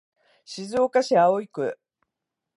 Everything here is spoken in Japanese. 静岡市葵区